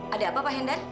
ada apa pak hendar